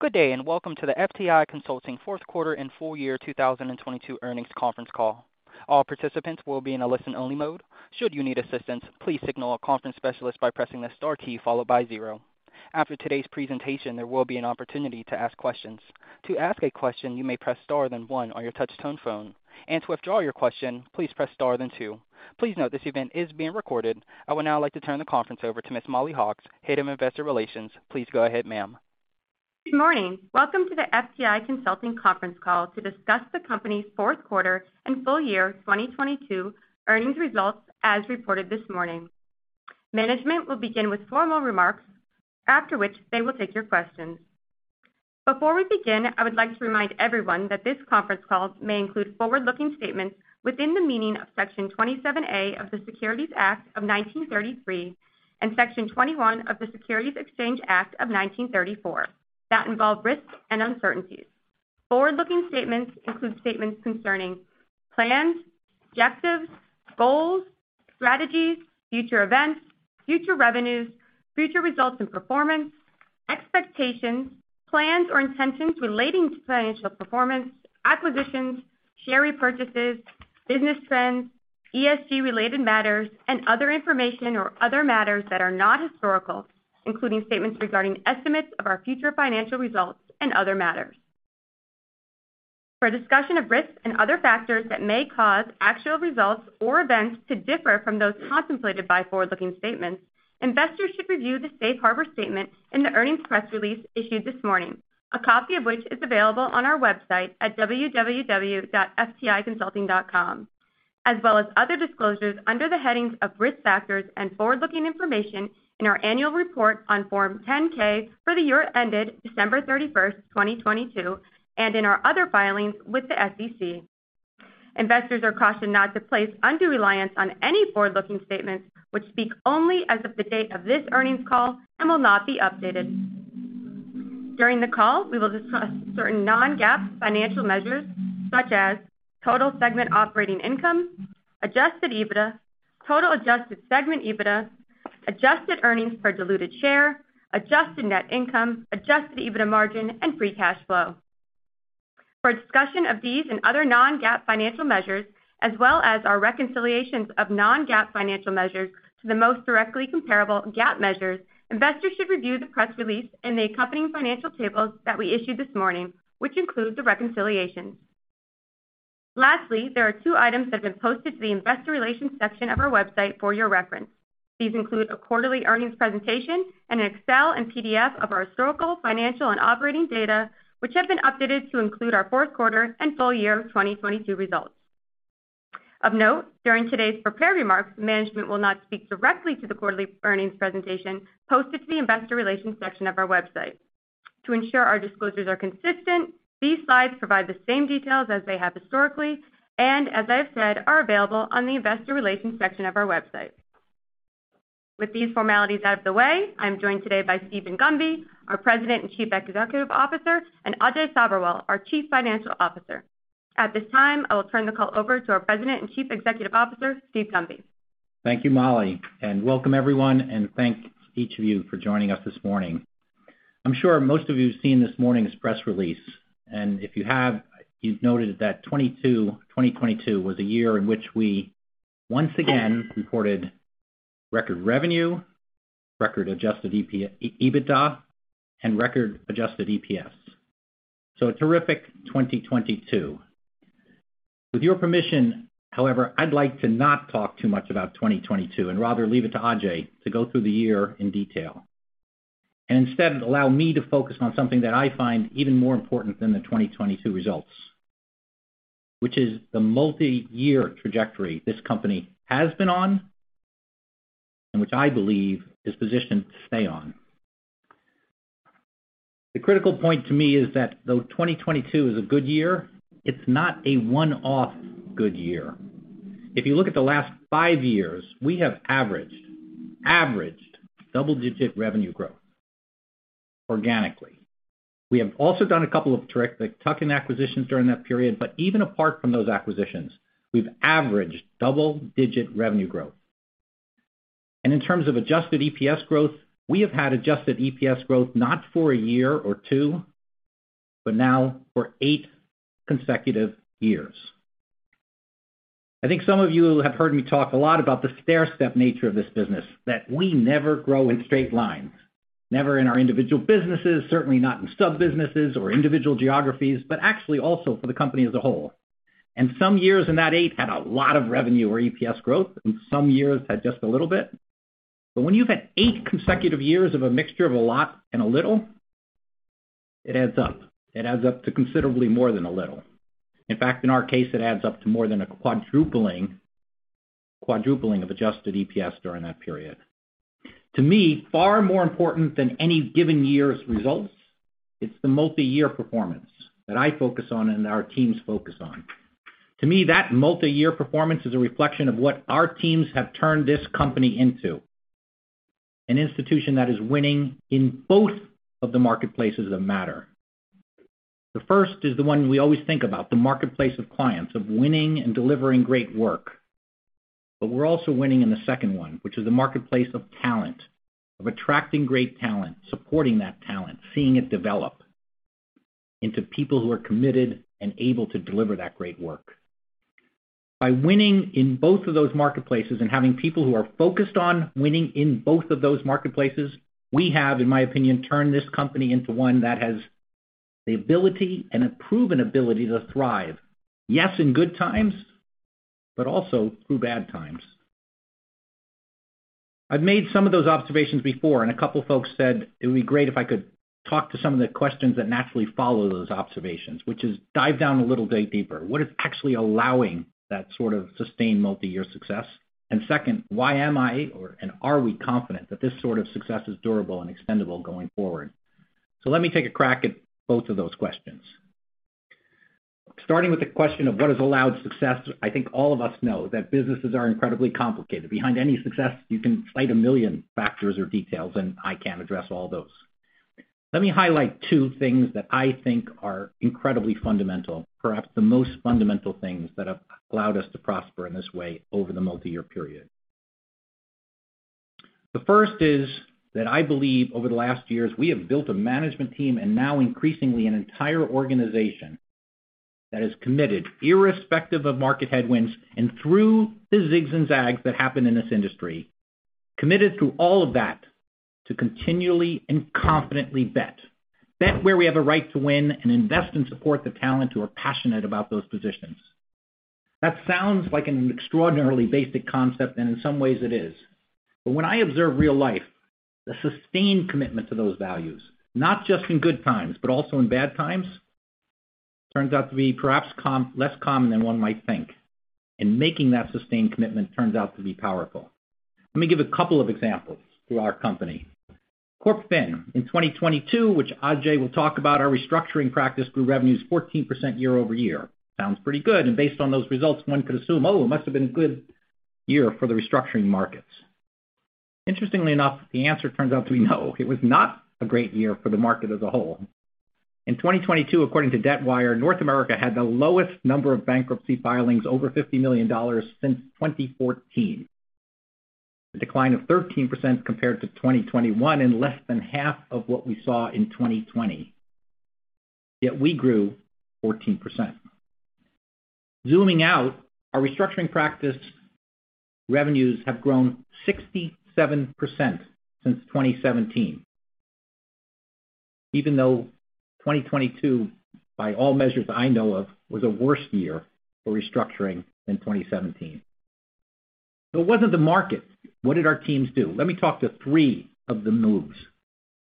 Good day, welcome to the FTI Consulting Fourth Quarter and Full-Year 2022 Earnings Conference call. All participants will be in a listen-only mode. Should you need assistance, please signal a conference specialist by pressing the star key followed by zero. After today's presentation, there will be an opportunity to ask questions. To ask a question, you may press star, then one on your touch-tone phone. To withdraw your question, please press star then two. Please note this event is being recorded. I would now like to turn the conference over to Ms. Mollie Hawkes, Head of Investor Relations. Please go ahead, ma'am. Good morning. Welcome to the FTI Consulting conference call to discuss the company's fourth quarter and full-year 2022 earnings results as reported this morning. Management will begin with formal remarks, after which they will take your questions. Before we begin, I would like to remind everyone that this conference call may include forward-looking statements within the meaning of Section 27A of the Securities Act of 1933 and Section 21 of the Securities Exchange Act of 1934 that involve risks and uncertainties. Forward-looking statements include statements concerning plans, objectives, goals, strategies, future events, future revenues, future results and performance, expectations, plans or intentions relating to financial performance, acquisitions, share repurchases, business trends, ESG-related matters, and other information or other matters that are not historical, including statements regarding estimates of our future financial results and other matters. For a discussion of risks and other factors that may cause actual results or events to differ from those contemplated by forward-looking statements, investors should review the safe harbor statement in the earnings press release issued this morning, a copy of which is available on our website at www.fticonsulting.com, as well as other disclosures under the headings of Risk Factors and Forward-Looking Information in our annual report on Form 10-K for the year ended December 31st, 2022, and in our other filings with the SEC. Investors are cautioned not to place undue reliance on any forward-looking statements which speak only as of the date of this earnings call and will not be updated. During the call, we will discuss certain non-GAAP financial measures such as total segment operating total Adjusted Segment EBITDA, adjusted earnings per diluted share, adjusted net income, Adjusted EBITDA margin, and free cash flow. For a discussion of these and other non-GAAP financial measures, as well as our reconciliations of non-GAAP financial measures to the most directly comparable GAAP measures, investors should review the press release and the accompanying financial tables that we issued this morning, which include the reconciliations. Lastly, there are two items that have been posted to the investor relations section of our website for your reference. These include a quarterly earnings presentation and an Excel and PDF of our historical, financial, and operating data, which have been updated to include our fourth quarter and full year 2022 results. Of note, during today's prepared remarks, management will not speak directly to the quarterly earnings presentation posted to the investor relations section of our website. To ensure our disclosures are consistent, these slides provide the same details as they have historically, and as I've said, are available on the investor relations section of our website. With these formalities out of the way, I'm joined today by Steven Gunby, our President and Chief Executive Officer, and Ajay Sabherwal, our Chief Financial Officer. At this time, I will turn the call over to our President and Chief Executive Officer, Steve Gunby. Thank you, Mollie, and welcome everyone, and thanks each of you for joining us this morning. I'm sure most of you have seen this morning's press release, and if you have, you've noted that 2022 was a year in which we once again reported record revenue, record Adjusted EBITDA, and record adjusted EPS. A terrific 2022. With your permission, however, I'd like to not talk too much about 2022 and rather leave it to Ajay to go through the year in detail. Instead, allow me to focus on something that I find even more important than the 2022 results, which is the multi-year trajectory this company has been on and which I believe is positioned to stay on. The critical point to me is that though 2022 is a good year, it's not a one-off good year. If you look at the last five years, we have averaged double-digit revenue growth organically. We have also done a couple of terrific tuck-in acquisitions during that period, even apart from those acquisitions, we've averaged double-digit revenue growth. In terms of adjusted EPS growth, we have had adjusted EPS growth not for a year or two, but now for eight consecutive years. I think some of you have heard me talk a lot about the stair step nature of this business, that we never grow in straight lines, never in our individual businesses, certainly not in sub-businesses or individual geographies, but actually also for the company as a whole. Some years in that eight had a lot of revenue or EPS growth, and some years had just a little bit. When you've had eight consecutive years of a mixture of a lot and a little, it adds up. It adds up to considerably more than a little. In fact, in our case, it adds up to more than a quadrupling of adjusted EPS during that period. To me, far more important than any given year's results, it's the multi-year performance that I focus on and our teams focus on. To me, that multi-year performance is a reflection of what our teams have turned this company into, an institution that is winning in both of the marketplaces that matter. The first is the one we always think about, the marketplace of clients, of winning and delivering great work. We're also winning in the second one, which is the marketplace of talent, of attracting great talent, supporting that talent, seeing it develop into people who are committed and able to deliver that great work. By winning in both of those marketplaces and having people who are focused on winning in both of those marketplaces, we have, in my opinion, turned this company into one that has the ability and a proven ability to thrive, yes, in good times, but also through bad times. I've made some of those observations before. A couple folks said it would be great if I could talk to some of the questions that naturally follow those observations, which is dive down a little bit deeper. What is actually allowing that sort of sustained multi-year success? Second, why am I or, and are we confident that this sort of success is durable and expendable going forward? Let me take a crack at both of those questions. Starting with the question of what has allowed success, I think all of us know that businesses are incredibly complicated. Behind any success, you can cite 1 million factors or details, and I can't address all those. Let me highlight two things that I think are incredibly fundamental, perhaps the most fundamental things that have allowed us to prosper in this way over the multi-year period. The first is that I believe over the last years, we have built a management team and now increasingly an entire organization that is committed, irrespective of market headwinds and through the zigs and zags that happen in this industry, committed through all of that to continually and confidently bet. Bet where we have a right to win and invest and support the talent who are passionate about those positions. That sounds like an extraordinarily basic concept, and in some ways it is. When I observe real life, the sustained commitment to those values, not just in good times, but also in bad times, turns out to be perhaps less common than one might think. Making that sustained commitment turns out to be powerful. Let me give a couple of examples through our company. Corp Fin, in 2022, which Ajay will talk about, our restructuring practice grew revenues 14% year-over-year. Sounds pretty good, and based on those results, one could assume, it must have been a good year for the restructuring markets. Interestingly enough, the answer turns out to be no. It was not a great year for the market as a whole. In 2022, according to Debtwire, North America had the lowest number of bankruptcy filings over $50 million since 2014. A decline of 13% compared to 2021 and less than half of what we saw in 2020. We grew 14%. Zooming out, our restructuring practice revenues have grown 67% since 2017. Even though 2022, by all measures I know of, was a worse year for restructuring than 2017. It wasn't the market. What did our teams do? Let me talk to three of the moves.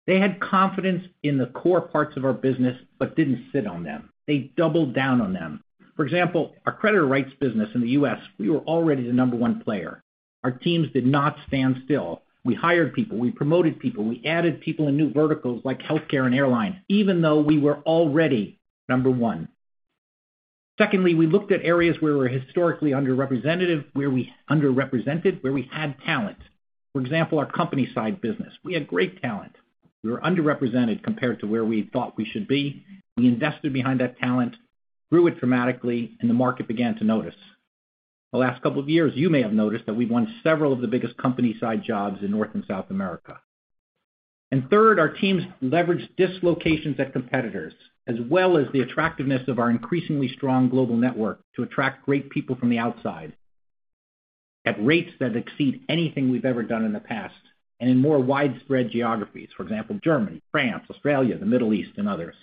They had confidence in the core parts of our business, but didn't sit on them. They doubled down on them. For example, our creditor rights business in the U.S., we were already the number one player. Our teams did not stand still. We hired people, we promoted people, we added people in new verticals like healthcare and airlines, even though we were already number one. Secondly, we looked at areas where we're historically where we underrepresented, where we had talent. For example, our company-side business. We had great talent. We were underrepresented compared to where we thought we should be. We invested behind that talent, grew it dramatically. The market began to notice. The last couple of years, you may have noticed that we've won several of the biggest company-side jobs in North and South America. Third, our teams leveraged dislocations at competitors, as well as the attractiveness of our increasingly strong global network to attract great people from the outside at rates that exceed anything we've ever done in the past and in more widespread geographies. For example, Germany, France, Australia, the Middle East, and others.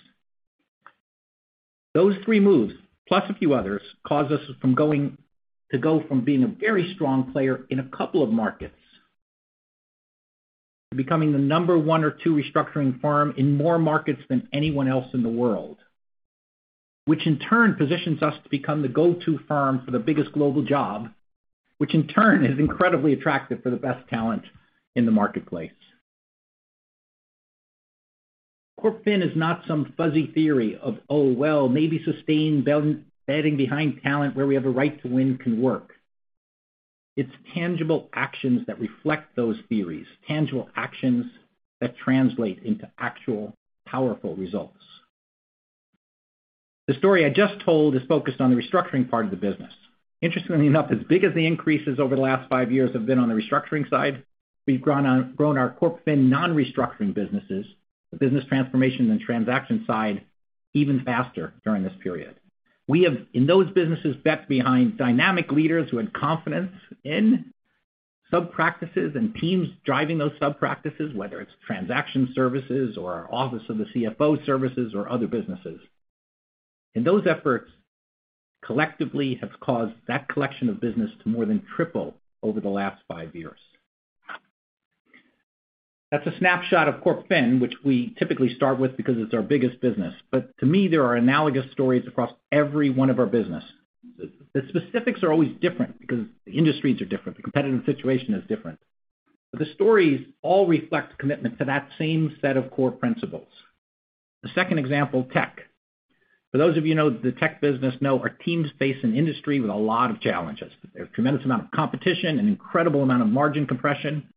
Those three moves, plus a few others, caused us to go from being a very strong player in a couple of markets to becoming the number one or two restructuring firm in more markets than anyone else in the world, which in turn positions us to become the go-to firm for the biggest global job, which in turn is incredibly attractive for the best talent in the marketplace. Corp Fin is not some fuzzy theory of, well, maybe sustained betting behind talent where we have a right to win can work. It's tangible actions that reflect those theories, tangible actions that translate into actual powerful results. The story I just told is focused on the restructuring part of the business. Interestingly enough, as big as the increases over the last five years have been on the restructuring side, we've grown our Corp Fin non-restructuring businesses, the business transformation and transaction side, even faster during this period. We have, in those businesses, bet behind dynamic leaders who had confidence in sub-practices and teams driving those sub-practices, whether it's transaction services or our Office of the CFO services or other businesses. Those efforts collectively have caused that collection of business to more than triple over the last five years. That's a snapshot of Corp Fin, which we typically start with because it's our biggest business. To me, there are analogous stories across every one of our business. The specifics are always different because the industries are different, the competitive situation is different. The stories all reflect commitment to that same set of core principles. The second example, Tech. For those of you know the Tech business know our team's faced an industry with a lot of challenges. There's a tremendous amount of competition, an incredible amount of margin compression.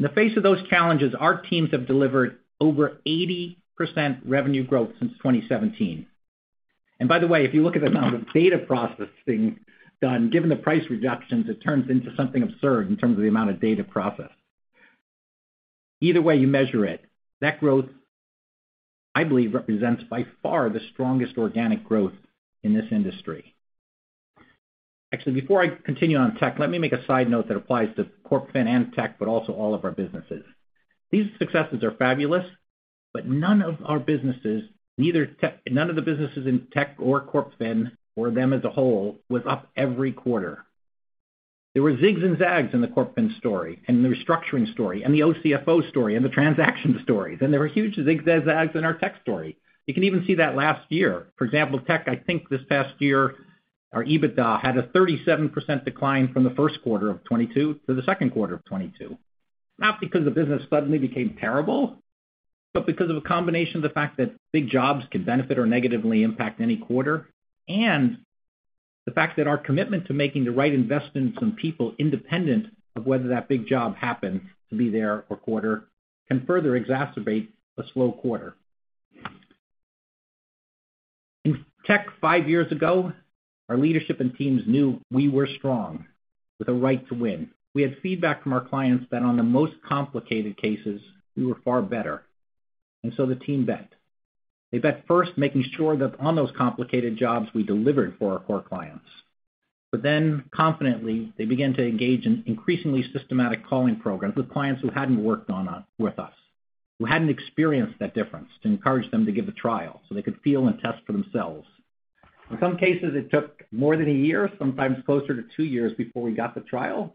In the face of those challenges, our teams have delivered over 80% revenue growth since 2017. By the way, if you look at the amount of data processing done, given the price reductions, it turns into something absurd in terms of the amount of data processed. Either way you measure it, that growth, I believe, represents by far the strongest organic growth in this industry. Actually, before I continue on Tech, let me make a side note that applies to Corp Fin and Tech, but also all of our businesses. These successes are fabulous, none of our businesses, none of the businesses in Tech or Corp Fin or them as a whole was up every quarter. There were zigs and zags in the Corp Fin story, and the restructuring story, and the OCFO story, and the transaction stories, and there were huge zigzags in our Tech story. You can even see that last year. For example, Tech, I think this past year, our EBITDA had a 37% decline from the first quarter of 2022 to the second quarter of 2022. Not because the business suddenly became terrible, but because of a combination of the fact that big jobs could benefit or negatively impact any quarter and the fact that our commitment to making the right investments in people independent of whether that big job happened to be there or quarter can further exacerbate a slow quarter. In Tech five years ago, our leadership and teams knew we were strong with a right to win. We had feedback from our clients that on the most complicated cases, we were far better. The team bet. They bet first making sure that on those complicated jobs we delivered for our core clients. Confidently, they began to engage in increasingly systematic calling programs with clients who hadn't worked with us, who hadn't experienced that difference, to encourage them to give a trial so they could feel and test for themselves. In some cases, it took more than a year, sometimes closer to two years before we got the trial.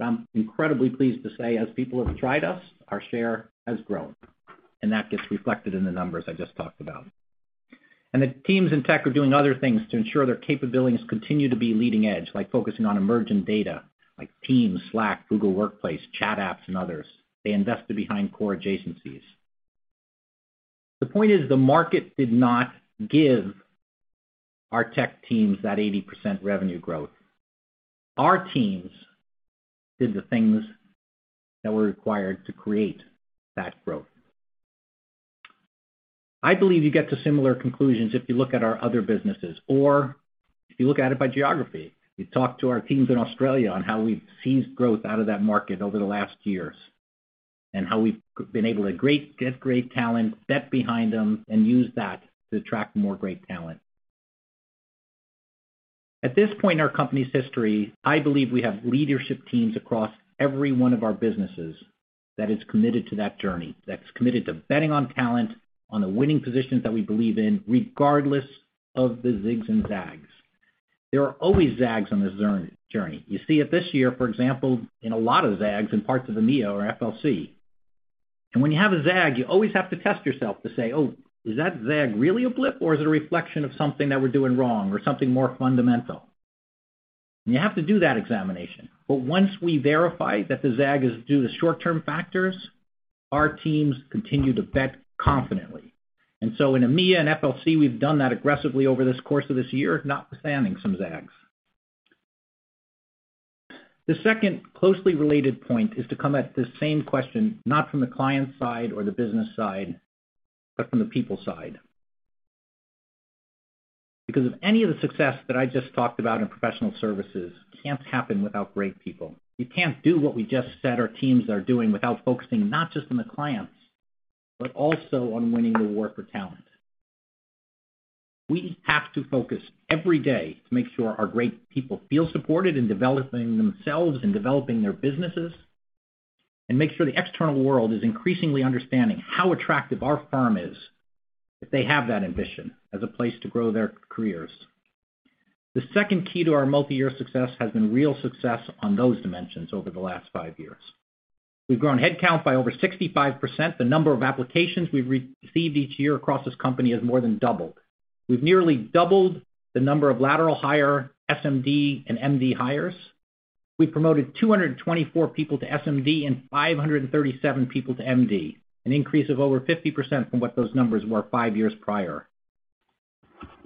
I'm incredibly pleased to say, as people have tried us, our share has grown, and that gets reflected in the numbers I just talked about. The teams in Tech are doing other things to ensure their capabilities continue to be leading edge, like focusing on emerging data like Teams, Slack, Google Workspace, chat apps, and others. They invested behind core adjacencies. The point is, the market did not give our Tech teams that 80% revenue growth. Our teams did the things that were required to create that growth. I believe you get to similar conclusions if you look at our other businesses or if you look at it by geography. We talked to our teams in Australia on how we've seized growth out of that market over the last years and how we've been able to get great talent, bet behind them, and use that to attract more great talent. At this point in our company's history, I believe we have leadership teams across every one of our businesses that is committed to that journey, that's committed to betting on talent, on the winning positions that we believe in, regardless of the zigs and zags. There are always zags on this journey. You see it this year, for example, in a lot of zags in parts of EMEA or FLC. When you have a zag, you always have to test yourself to say, "Oh, is that zag really a blip or is it a reflection of something that we're doing wrong or something more fundamental?" You have to do that examination. Once we verify that the zag is due to short-term factors, our teams continue to bet confidently. In EMEA and FLC, we've done that aggressively over this course of this year, notwithstanding some zags. The second closely related point is to come at the same question, not from the client side or the business side, but from the people side. Because of any of the success that I just talked about in professional services can't happen without great people. You can't do what we just said our teams are doing without focusing not just on the clients, but also on winning the war for talent. We have to focus every day to make sure our great people feel supported in developing themselves and developing their businesses, and make sure the external world is increasingly understanding how attractive our firm is if they have that ambition as a place to grow their careers. The second key to our multi-year success has been real success on those dimensions over the last five years. We've grown headcount by over 65%. The number of applications we've received each year across this company has more than doubled. We've nearly doubled the number of lateral hire SMD and MD hires. We promoted 224 people to SMD and 537 people to MD, an increase of over 50% from what those numbers were five years prior.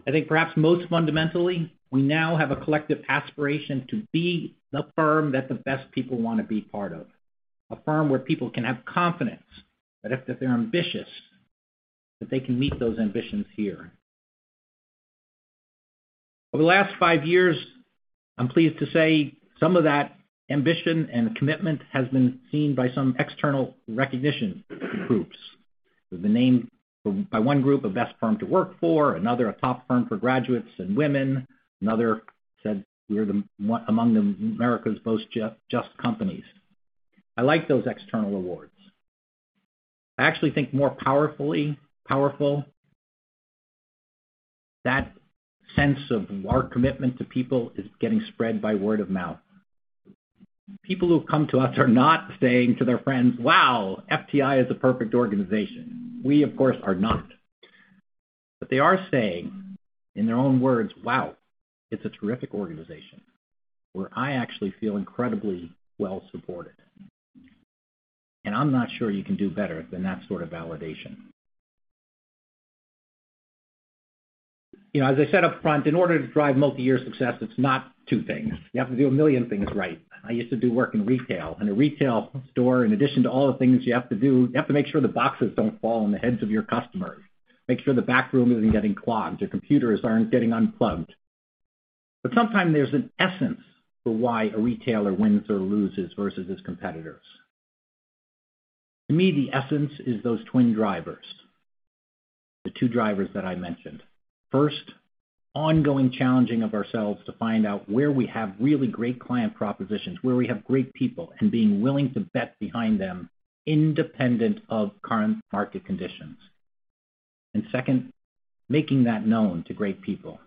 I think perhaps most fundamentally, we now have a collective aspiration to be the firm that the best people wanna be part of, a firm where people can have confidence that if they're ambitious, that they can meet those ambitions here. Over the last five years, I'm pleased to say some of that ambition and commitment has been seen by some external recognition groups. We've been named by one group a best firm to work for, another a top firm for graduates and women. Another said we're among America's most just companies. I like those external awards. I actually think more powerfully, That sense of our commitment to people is getting spread by word of mouth. People who come to us are not saying to their friends, "Wow, FTI is a perfect organization." We, of course, are not. They are saying in their own words, "Wow, it's a terrific organization where I actually feel incredibly well supported." I'm not sure you can do better than that sort of validation. You know, as I said up front, in order to drive multiyear success, it's not two things. You have to do 1 million things right. I used to do work in retail. In a retail store, in addition to all the things you have to do, you have to make sure the boxes don't fall on the heads of your customers, make sure the back room isn't getting clogged, your computers aren't getting unplugged. Sometimes there's an essence to why a retailer wins or loses versus his competitors. To me, the essence is those twin drivers, the two drivers that I mentioned. First, ongoing challenging of ourselves to find out where we have really great client propositions, where we have great people, and being willing to bet behind them independent of current market conditions. Second, making that known to great people.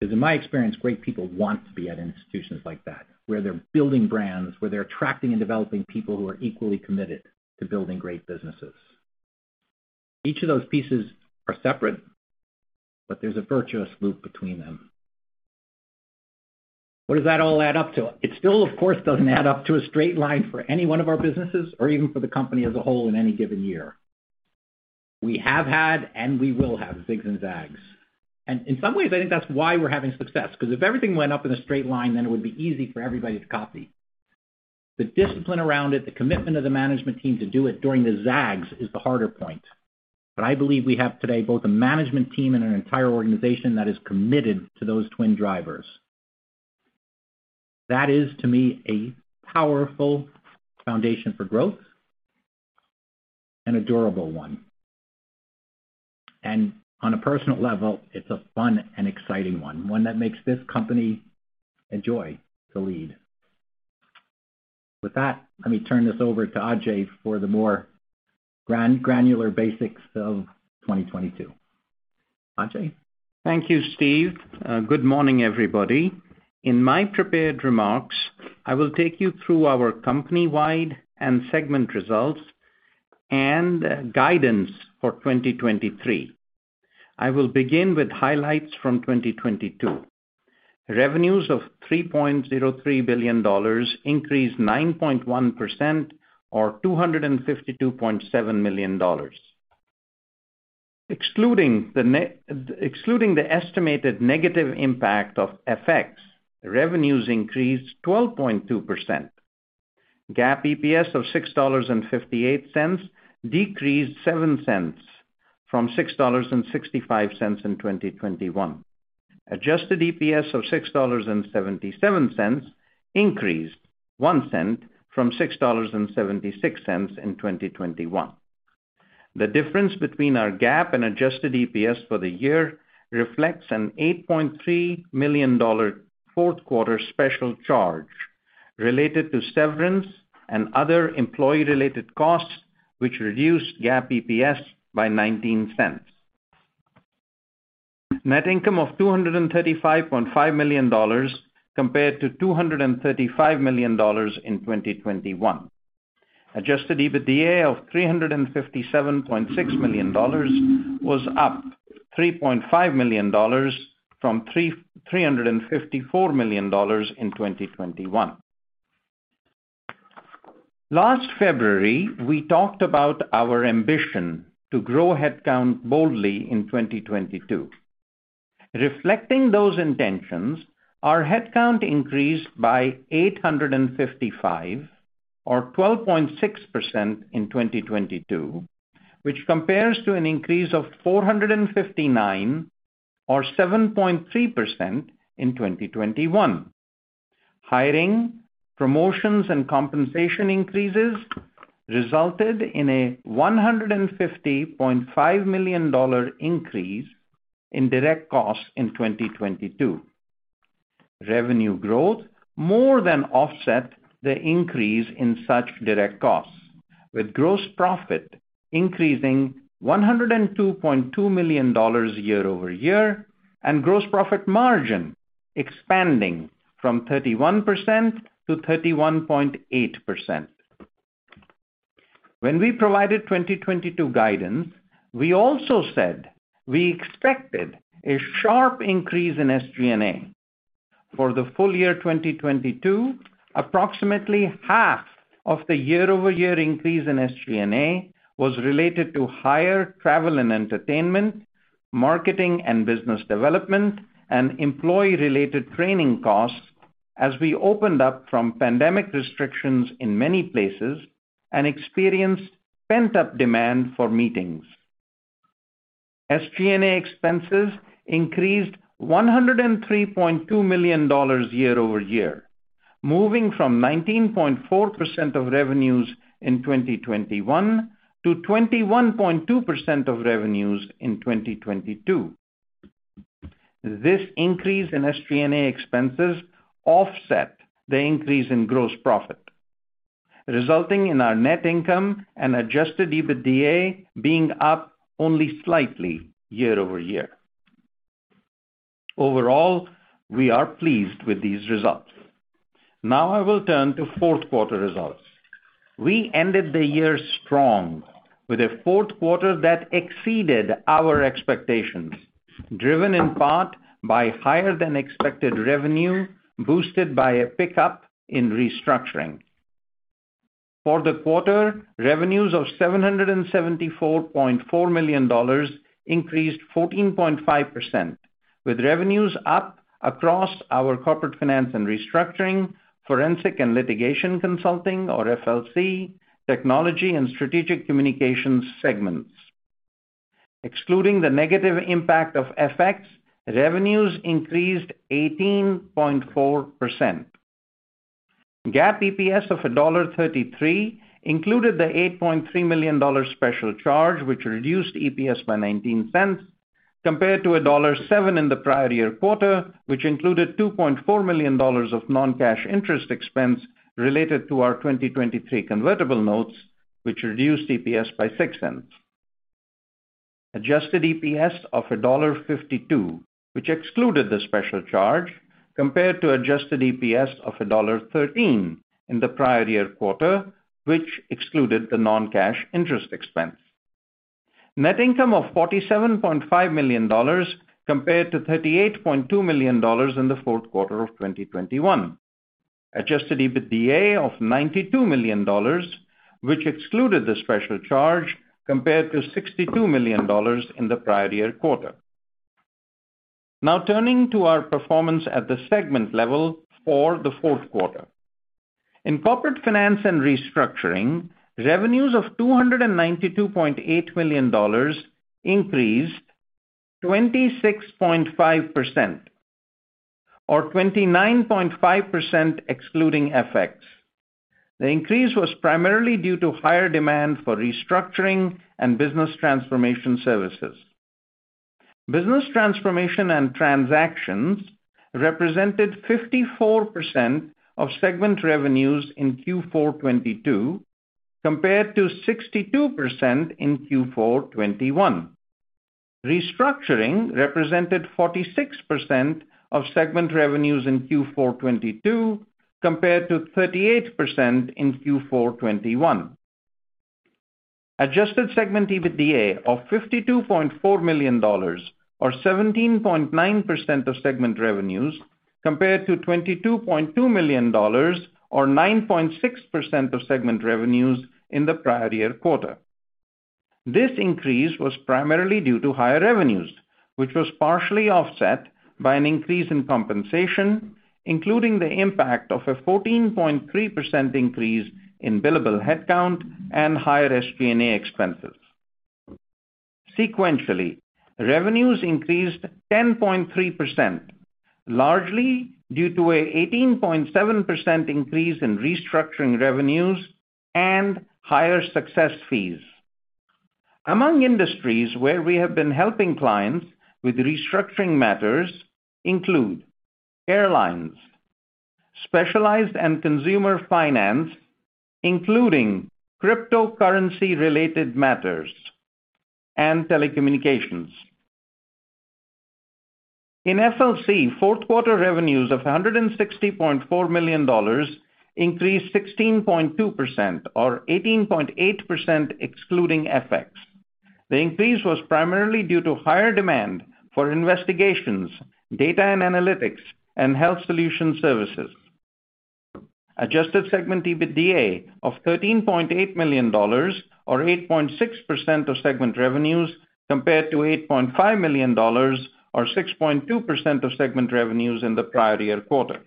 Because in my experience, great people want to be at institutions like that, where they're building brands, where they're attracting and developing people who are equally committed to building great businesses. Each of those pieces are separate, but there's a virtuous loop between them. What does that all add up to? It still, of course, doesn't add up to a straight line for any one of our businesses or even for the company as a whole in any given year. We have had and we will have zigs and zags. In some ways, I think that's why we're having success, because if everything went up in a straight line, then it would be easy for everybody to copy. The discipline around it, the commitment of the management team to do it during the zags is the harder point. I believe we have today both a management team and an entire organization that is committed to those twin drivers. That is, to me, a powerful foundation for growth and a durable one. On a personal level, it's a fun and exciting one that makes this company a joy to lead. With that, let me turn this over to Ajay for the more granular basics of 2022. Ajay? Thank you, Steve. Good morning, everybody. In my prepared remarks, I will take you through our company-wide and segment results and guidance for 2023. I will begin with highlights from 2022. Revenues of $3.03 billion increased 9.1% or $252.7 million. Excluding the estimated negative impact of FX, revenues increased 12.2%. GAAP EPS of $6.58 decreased $0.07 from $6.65 in 2021. Adjusted EPS of $6.77 increased $0.01 from $6.76 in 2021. The difference between our GAAP and adjusted EPS for the year reflects an $8.3 million fourth quarter special charge related to severance and other employee-related costs, which reduced GAAP EPS by $0.19. Net income of $235.5 million compared to $235 million in 2021. Adjusted EBITDA of $357.6 million was up $3.5 million from $354 million in 2021. Last February, we talked about our ambition to grow headcount boldly in 2022. Reflecting those intentions, our headcount increased by 855 or 12.6% in 2022, which compares to an increase of 459 or 7.3% in 2021. Hiring, promotions, and compensation increases resulted in a $150.5 million increase in direct costs in 2022. Revenue growth more than offset the increase in such direct costs, with gross profit increasing $102.2 million year-over-year and gross profit margin expanding from 31% to 31.8%. When we provided 2022 guidance, we also said we expected a sharp increase in SG&A. For the full-year 2022, approximately half of the year-over-year increase in SG&A was related to higher travel and entertainment, marketing and business development, and employee-related training costs as we opened up from pandemic restrictions in many places and experienced pent-up demand for meetings. SG&A expenses increased $103.2 million year-over-year, moving from 19.4% of revenues in 2021 to 21.2% of revenues in 2022. This increase in SG&A expenses offset the increase in gross profit, resulting in our net income and Adjusted EBITDA being up only slightly year-over-year. Overall, we are pleased with these results. Now I will turn to fourth quarter results. We ended the year strong with a fourth quarter that exceeded our expectations, driven in part by higher than expected revenue, boosted by a pickup in restructuring. For the quarter, revenues of $774.4 million increased 14.5%, with revenues up across our Corporate Finance & Restructuring, Forensic & Litigation Consulting, or FLC, Technology and Strategic Communications segments. Excluding the negative impact of FX, revenues increased 18.4%. GAAP EPS of $1.33 included the $8.3 million special charge, which reduced EPS by $0.19 compared to $1.07 in the prior-year quarter, which included $2.4 million of non-cash interest expense related to our 2023 convertible notes, which reduced EPS by $0.06. Adjusted EPS of $1.52, which excluded the special charge compared to adjusted EPS of $1.13 in the prior-year quarter, which excluded the non-cash interest expense. Net income of $47.5 million compared to $38.2 million in the fourth quarter of 2021. Adjusted EBITDA of $92 million, which excluded the special charge compared to $62 million in the prior-year quarter. Now turning to our performance at the segment level for the fourth quarter. In Corporate Finance & Restructuring, revenues of $292.8 million increased 26.5% or 29.5% excluding FX. The increase was primarily due to higher demand for restructuring and business transformation services. Business transformation and transactions represented 54% of segment revenues in Q4 2022 compared to 62% in Q4 2021. Restructuring represented 46% of segment revenues in Q4 2022 compared to 38% in Q4 2021. Adjusted Segment EBITDA of $52.4 million or 17.9% of segment revenues compared to $22.2 million or 9.6% of segment revenues in the prior-year quarter. This increase was primarily due to higher revenues, which was partially offset by an increase in compensation, including the impact of a 14.3% increase in billable headcount and higher SG&A expenses. Sequentially, revenues increased 10.3%, largely due to a 18.7% increase in restructuring revenues and higher success fees. Among industries where we have been helping clients with restructuring matters include airlines, specialized and consumer finance, including cryptocurrency-related matters and telecommunications. In FLC, fourth quarter revenues of $160.4 million increased 16.2% or 18.8% excluding FX. The increase was primarily due to higher demand for investigations, data and analytics and health solution services. Adjusted Segment EBITDA of $13.8 million or 8.6% of segment revenues compared to $8.5 million or 6.2% of segment revenues in the prior-year quarter.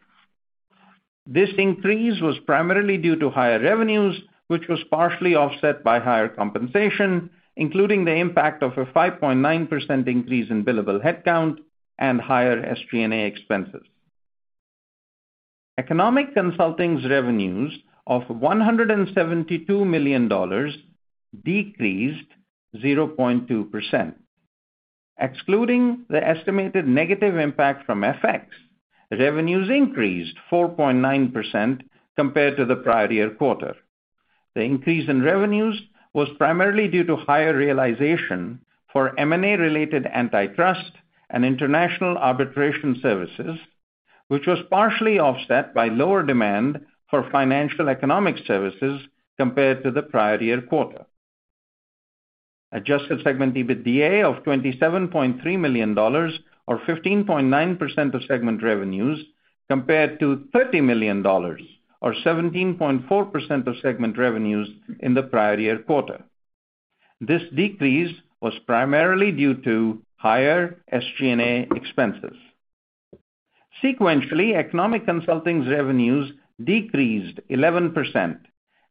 This increase was primarily due to higher revenues, which was partially offset by higher compensation, including the impact of a 5.9% increase in billable headcount and higher SG&A expenses. Economic Consulting's revenues of $172 million decreased 0.2%. Excluding the estimated negative impact from FX, revenues increased 4.9% compared to the prior-year quarter. The increase in revenues was primarily due to higher realization for M&A-related antitrust and international arbitration services, which was partially offset by lower demand for financial economic services compared to the prior-year quarter. Adjusted Segment EBITDA of $27.3 million or 15.9% of segment revenues compared to $30 million or 17.4% of segment revenues in the prior-year quarter. This decrease was primarily due to higher SG&A expenses. Sequentially, Economic Consulting's revenues decreased 11%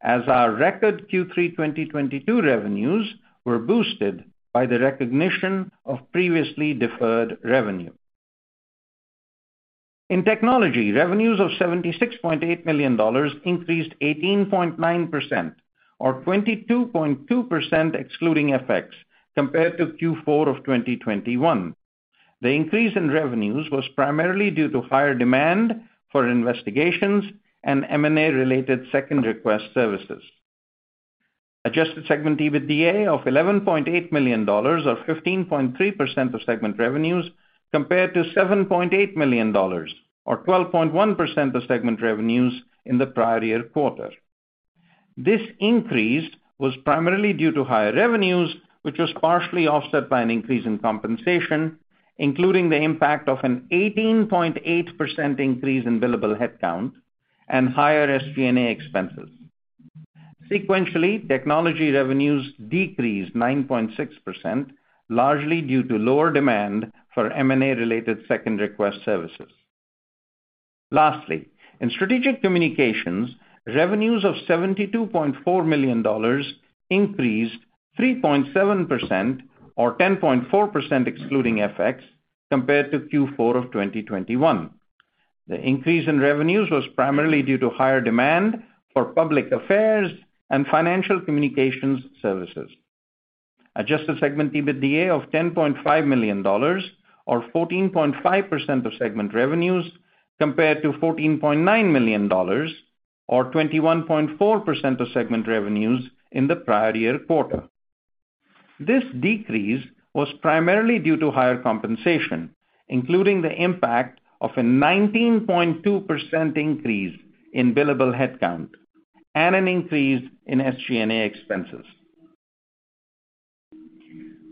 as our record Q3 2022 revenues were boosted by the recognition of previously deferred revenue. In technology, revenues of $76.8 million increased 18.9% or 22.2% excluding FX compared to Q4 2021. The increase in revenues was primarily due to higher demand for investigations and M&A-related Second Request services. Adjusted Segment EBITDA of $11.8 million or 15.3% of segment revenues compared to $7.8 million or 12.1% of segment revenues in the prior-year quarter. This increase was primarily due to higher revenues, which was partially offset by an increase in compensation, including the impact of an 18.8% increase in billable headcount and higher SG&A expenses. Sequentially, technology revenues decreased 9.6%, largely due to lower demand for M&A-related Second Request services. Lastly, in Strategic Communications, revenues of $72.4 million increased 3.7% or 10.4% excluding FX, compared to Q4 of 2021. The increase in revenues was primarily due to higher demand for public affairs and financial communications services. Adjusted Segment EBITDA of $10.5 million or 14.5% of segment revenues compared to $14.9 million or 21.4% of segment revenues in the prior-year quarter. This decrease was primarily due to higher compensation, including the impact of a 19.2% increase in billable headcount and an increase in SG&A expenses.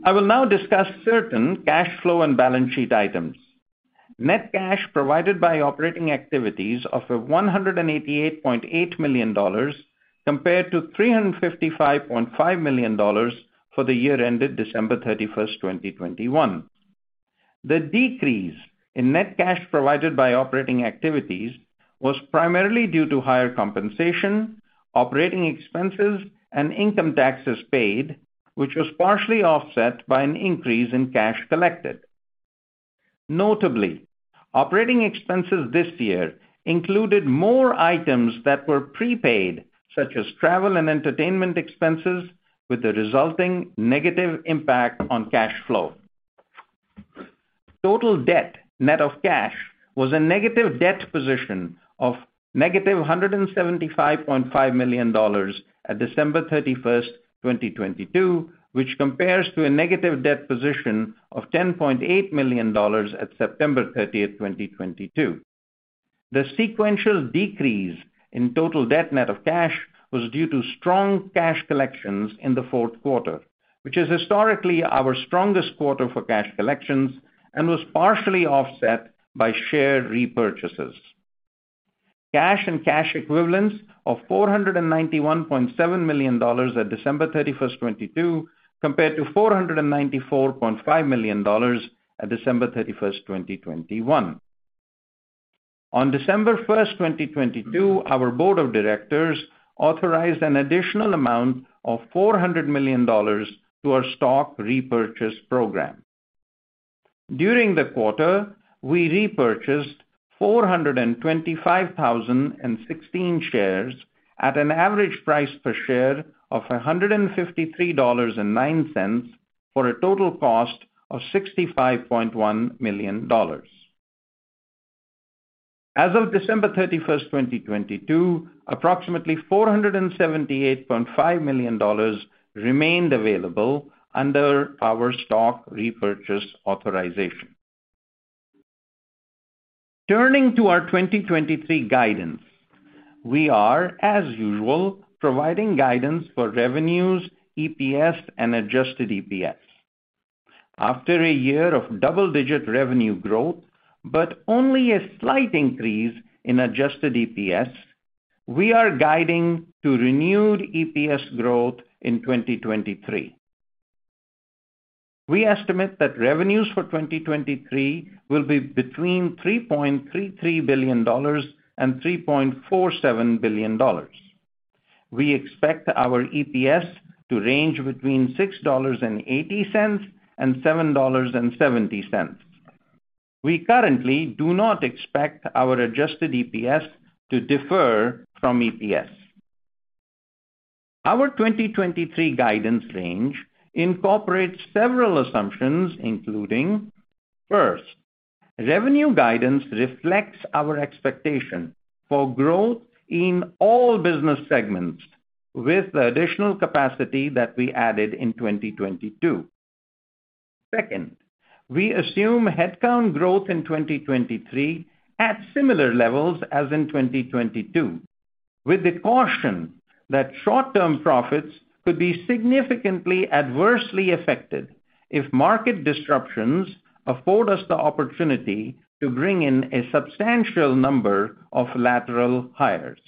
I will now discuss certain cash flow and balance sheet items. Net cash provided by operating activities of $188.8 million compared to $355.5 million for the year ended December 31st, 2021. The decrease in net cash provided by operating activities was primarily due to higher compensation, operating expenses, and income taxes paid, which was partially offset by an increase in cash collected. Notably, operating expenses this year included more items that were prepaid, such as travel and entertainment expenses, with a resulting negative impact on cash flow. Total debt net of cash was a negative debt position of negative $175.5 million at December 31st, 2022, which compares to a negative debt position of $10.8 million at September 30th, 2022. The sequential decrease in total debt net of cash was due to strong cash collections in the fourth quarter, which is historically our strongest quarter for cash collections and was partially offset by share repurchases. Cash and cash equivalents of $491.7 million at December 31st, 2022, compared to $494.5 million at December 31st, 2021. On December 1st, 2022, our board of directors authorized an additional amount of $400 million to our stock repurchase program. During the quarter, we repurchased 425,016 shares at an average price per share of $153.09 for a total cost of $65.1 million. As of December 31st, 2022, approximately $478.5 million remained available under our stock repurchase authorization. Turning to our 2023 guidance, we are, as usual, providing guidance for revenues, EPS, and adjusted EPS. After a year of double-digit revenue growth but only a slight increase in adjusted EPS, we are guiding to renewed EPS growth in 2023. We estimate that revenues for 2023 will be between $3.33 billion and $3.47 billion. We expect our EPS to range between $6.80 and $7.70. We currently do not expect our adjusted EPS to differ from EPS. Our 2023 guidance range incorporates several assumptions, including, first, revenue guidance reflects our expectation for growth in all business segments with the additional capacity that we added in 2022. Second, we assume headcount growth in 2023 at similar levels as in 2022, with the caution that short-term profits could be significantly adversely affected if market disruptions afford us the opportunity to bring in a substantial number of lateral hires.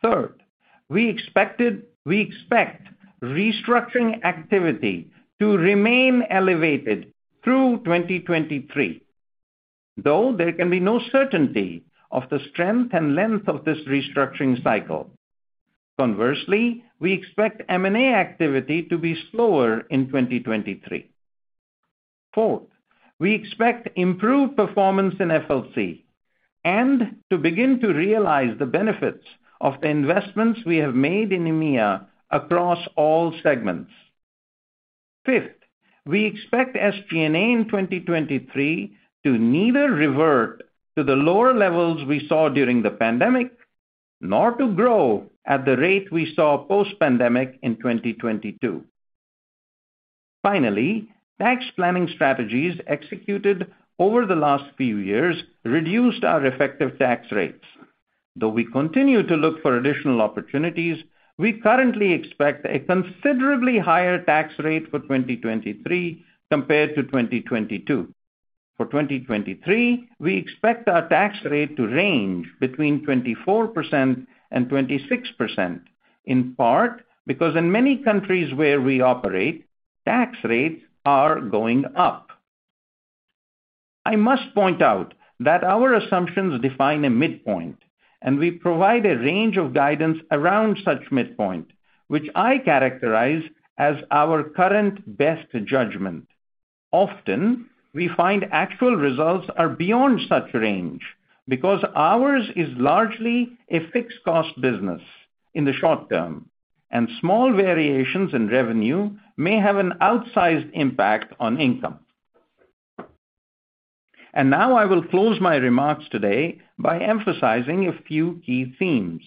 Third, we expect restructuring activity to remain elevated through 2023, though there can be no certainty of the strength and length of this restructuring cycle. Conversely, we expect M&A activity to be slower in 2023. Fourth, we expect improved performance in FLC and to begin to realize the benefits of the investments we have made in EMEA across all segments. Fifth, we expect SG&A in 2023 to neither revert to the lower levels we saw during the pandemic nor to grow at the rate we saw post-pandemic in 2022. Finally, tax planning strategies executed over the last few years reduced our effective tax rates. Though we continue to look for additional opportunities, we currently expect a considerably higher tax rate for 2023 compared to 2022. For 2023, we expect our tax rate to range between 24% and 26%, in part, because in many countries where we operate, tax rates are going up. I must point out that our assumptions define a midpoint, and we provide a range of guidance around such midpoint, which I characterize as our current best judgment. Often, we find actual results are beyond such range because ours is largely a fixed cost business in the short term, and small variations in revenue may have an outsized impact on income. Now I will close my remarks today by emphasizing a few key themes.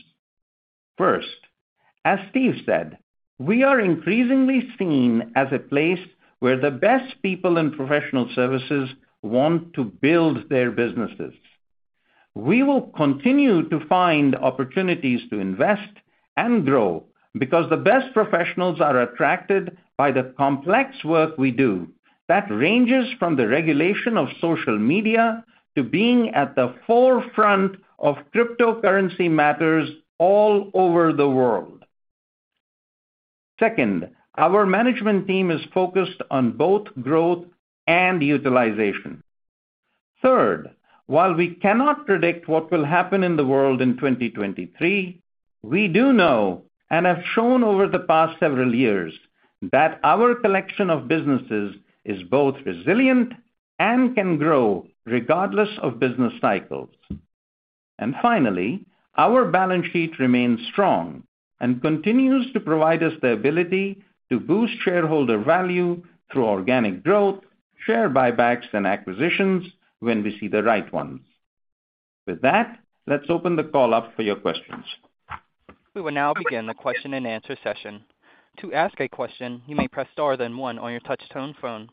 First, as Steve said, we are increasingly seen as a place where the best people in professional services want to build their businesses. We will continue to find opportunities to invest and grow because the best professionals are attracted by the complex work we do that ranges from the regulation of social media to being at the forefront of cryptocurrency matters all over the world. Second, our management team is focused on both growth and utilization. Third, while we cannot predict what will happen in the world in 2023, we do know, and have shown over the past several years, that our collection of businesses is both resilient and can grow regardless of business cycles. Finally, our balance sheet remains strong and continues to provide us the ability to boost shareholder value through organic growth, share buybacks and acquisitions when we see the right ones. With that, let's open the call up for your questions. We will now begin the question-and-answer session. To ask a question, you may press star then one on your touch tone phone.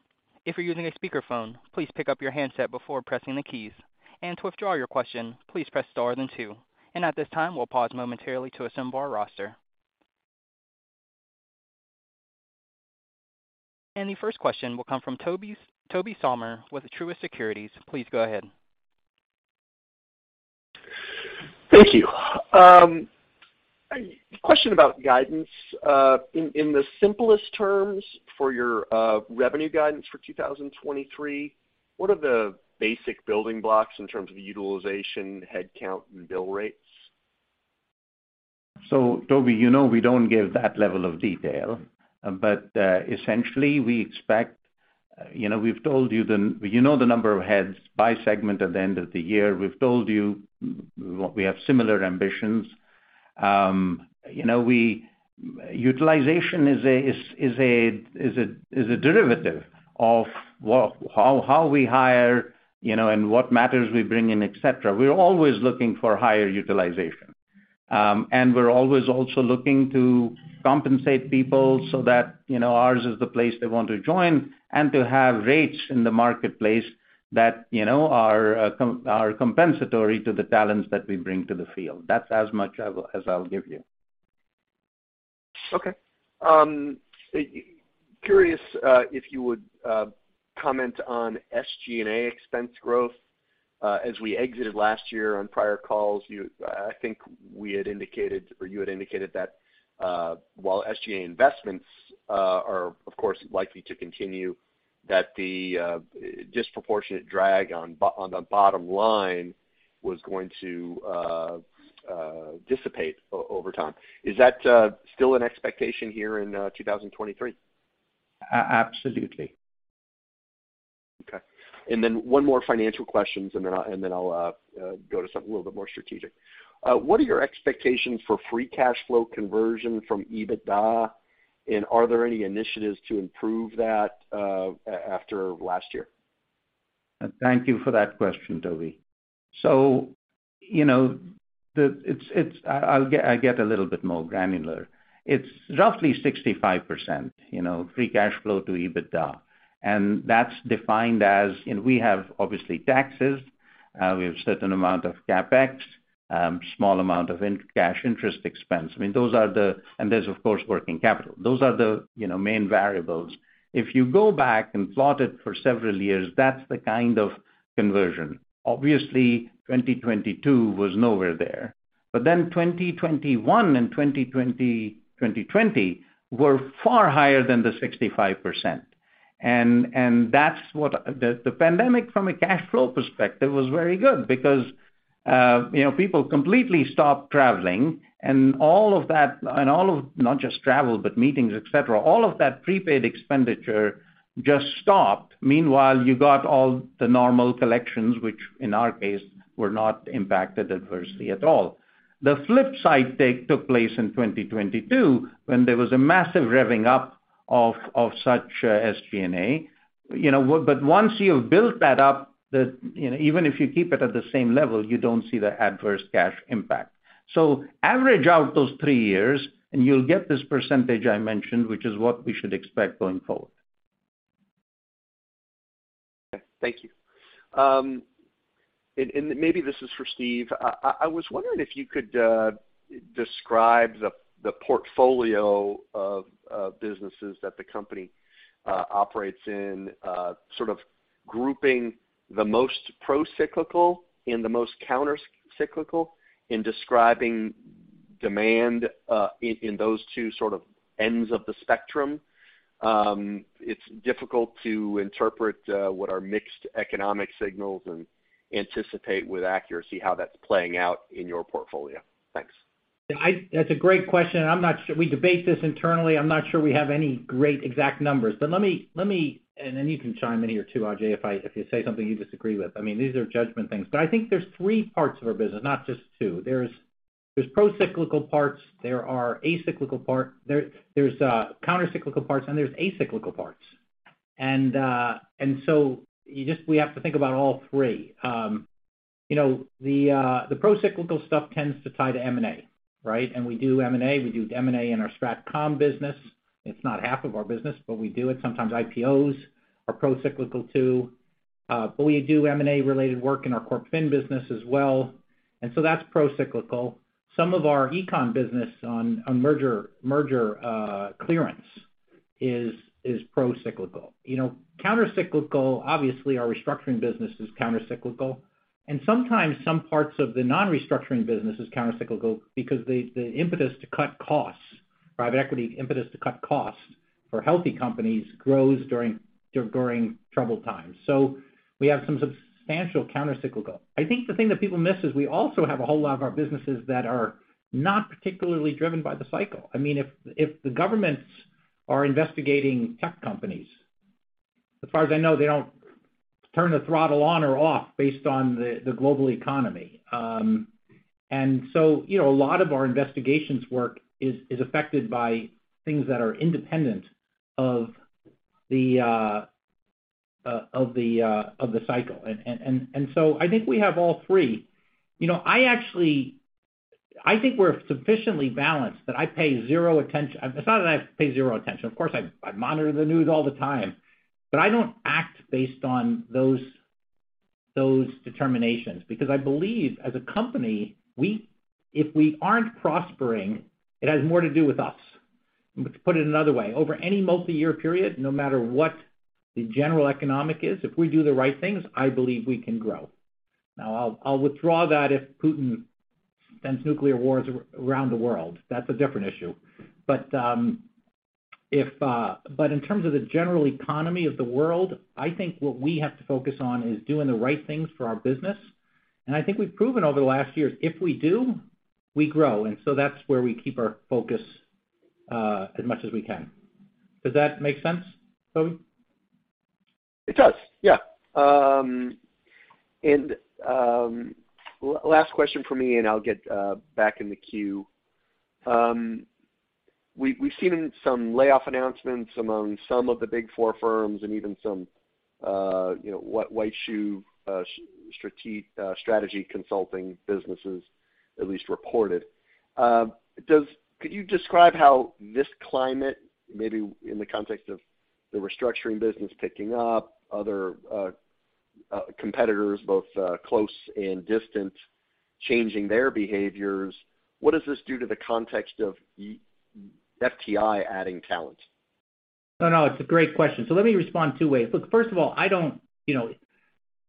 If you're using a speaker phone, please pick up your handset before pressing the keys. To withdraw your question, please press star then two. At this time, we'll pause momentarily to assemble our roster. The first question will come from Tobey Sommer with Truist Securities. Please go ahead. Thank you. A question about guidance. In the simplest terms for your revenue guidance for 2023, what are the basic building blocks in terms of utilization, headcount, and bill rates? Tobey, you know we don't give that level of detail, but, essentially, we expect, you know, we've told you the number of heads by segment at the end of the year, we've told you we have similar ambitions. You know, utilization is a derivative of how we hire, you know, and what matters we bring in, et cetera. We're always looking for higher utilization. And we're always also looking to compensate people so that, you know, ours is the place they want to join and to have rates in the marketplace that, you know, are compensatory to the talents that we bring to the field. That's as much as I'll give you. Okay. Curious if you would comment on SG&A expense growth. As we exited last year on prior calls, I think we had indicated or you had indicated that while SGA investments are of course likely to continue, that the disproportionate drag on the bottom line was going to dissipate over time. Is that still an expectation here in 2023? Absolutely. Okay. One more financial questions, then I'll go to something a little bit more strategic. What are your expectations for free cash flow conversion from EBITDA? Are there any initiatives to improve that after last year? Thank you for that question, Tobey. You know, it's I'll get a little bit more granular. It's roughly 65%, you know, free cash flow to EBITDA. That's defined as and we have, obviously, taxes, we have certain amount of CapEx, small amount of cash interest expense. I mean, those are and there's, of course, working capital. Those are the, you know, main variables. If you go back and plot it for several years, that's the kind of conversion. Obviously, 2022 was nowhere there. 2021 and 2020 were far higher than the 65%. That's what the pandemic from a cash flow perspective was very good because, you know, people completely stopped traveling and all of that, all of not just travel, but meetings, et cetera, all of that prepaid expenditure just stopped. Meanwhile, you got all the normal collections, which in our case, were not impacted adversely at all. The flip side took place in 2022, when there was a massive revving up of such SG&A. You know, but once you've built that up, you know, even if you keep it at the same level, you don't see the adverse cash impact. Average out those three years and you'll get this percentage I mentioned, which is what we should expect going forward. Thank you. Maybe this is for Steve. I was wondering if you could describe the portfolio of businesses that the company operates in, sort of grouping the most pro-cyclical and the most counter-cyclical in describing demand in those two sort of ends of the spectrum. It's difficult to interpret what are mixed economic signals and anticipate with accuracy how that's playing out in your portfolio. Thanks. That's a great question, and I'm not sure we debate this internally. I'm not sure we have any great exact numbers. Let me-- Then you can chime in here too, Ajay, if I say something you disagree with. I mean, these are judgment things. I think there's three parts of our business, not just two. There's pro-cyclical parts, there are a-cyclical part. There's counter-cyclical parts, and there's a-cyclical parts. We have to think about all three. You know, the pro-cyclical stuff tends to tie to M&A, right? We do M&A in our Strat Comm business. It's not half of our business, but we do it. Sometimes IPOs are pro-cyclical too. We do M&A-related work in our Corp Fin business as well. That's pro-cyclical. Some of our Econ business on merger clearance is pro-cyclical. You know, counter-cyclical, obviously, our restructuring business is counter-cyclical. Sometimes some parts of the non-restructuring business is counter-cyclical because the impetus to cut costs, private equity impetus to cut costs for healthy companies grows during troubled times. We have some substantial counter-cyclical. I think the thing that people miss is we also have a whole lot of our businesses that are not particularly driven by the cycle. I mean, if the governments are investigating tech companies, as far as I know, they don't turn the throttle on or off based on the global economy. You know, a lot of our investigations work is affected by things that are independent of the cycle. I think we have all three. I actually think we're sufficiently balanced that I pay zero attention. It's not that I pay zero attention. Of course, I monitor the news all the time, but I don't act based on those determinations because I believe as a company, we if we aren't prospering, it has more to do with us. Let's put it another way. Over any multi-year period, no matter what the general economic is, if we do the right things, I believe we can grow. I'll withdraw that if Putin sends nuclear wars around the world. That's a different issue. In terms of the general economy of the world, I think what we have to focus on is doing the right things for our business. I think we've proven over the last years, if we do, we grow. That's where we keep our focus, as much as we can. Does that make sense, Tobey? It does, yeah. Last question from me, and I'll get back in the queue. We've seen some layoff announcements among some of the Big Four firms and even some, you know, white shoe strategy consulting businesses, at least reported. Could you describe how this climate, maybe in the context of the restructuring business picking up other competitors, both close and distant, changing their behaviors, what does this do to the context of FTI adding talent? No, it's a great question. Let me respond two ways. Look, first of all, you know,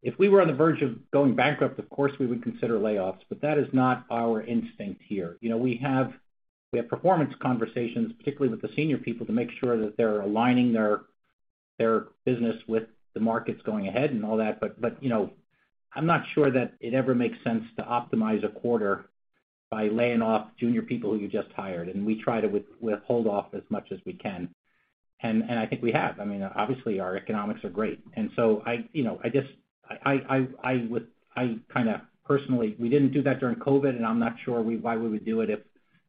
if we were on the verge of going bankrupt, of course, we would consider layoffs, that is not our instinct here. You know, we have performance conversations, particularly with the senior people, to make sure that they're aligning their business with the markets going ahead and all that. You know, I'm not sure that it ever makes sense to optimize a quarter by laying off junior people who you just hired. We try to hold off as much as we can. I think we have. I mean, obviously, our economics are great. You know, I just, I would— We didn't do that during COVID, and I'm not sure why we would do it if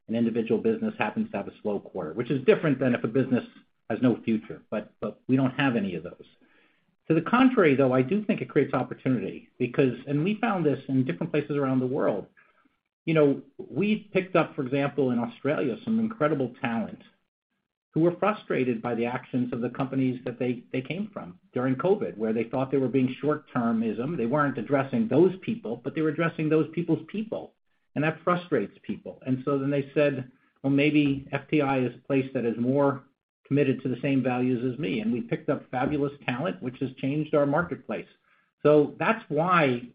an individual business happens to have a slow quarter. Which is different than if a business has no future, but we don't have any of those. To the contrary, though, I do think it creates opportunity because, and we found this in different places around the world. You know, we picked up, for example, in Australia, some incredible talent who were frustrated by the actions of the companies that they came from during COVID, where they thought they were being short-termism. They weren't addressing those people, but they were addressing those people's people. That frustrates people. They said, "Well, maybe FTI is a place that is more committed to the same values as me." We picked up fabulous talent, which has changed our marketplace. That's why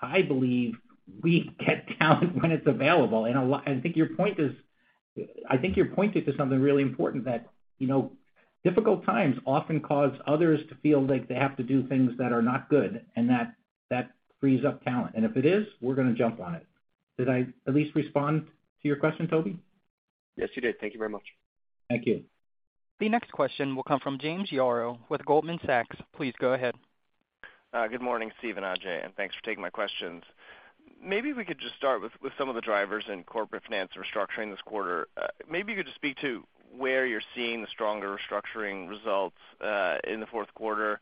I believe we get talent when it's available. I think your point is, I think you're pointing to something really important that, you know, difficult times often cause others to feel like they have to do things that are not good and that frees up talent. If it is, we're gonna jump on it. Did I at least respond to your question, Tobey? Yes, you did. Thank you very much. Thank you. The next question will come from James Yaro with Goldman Sachs. Please go ahead. Good morning, Steve and Ajay, thanks for taking my questions. Maybe we could just start with some of the drivers in Corporate Finance & Restructuring this quarter. Maybe you could just speak to where you're seeing the stronger restructuring results in the fourth quarter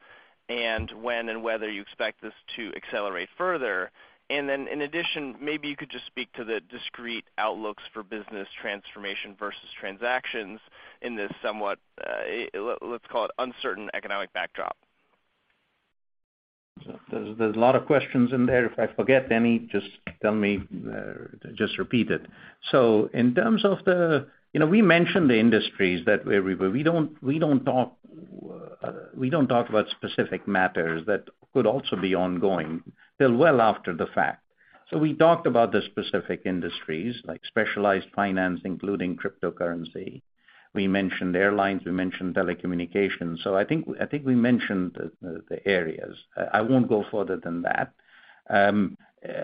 and when and whether you expect this to accelerate further. In addition, maybe you could just speak to the discrete outlooks for business transformation versus transactions in this somewhat, let's call it uncertain economic backdrop. There's a lot of questions in there. If I forget any, just tell me, just repeat it. In terms of the. You know, we mentioned the industries where we were. We don't talk about specific matters that could also be ongoing till well after the fact. We talked about the specific industries like specialized finance, including cryptocurrency. We mentioned airlines, we mentioned telecommunications. I think we mentioned the areas. I won't go further than that.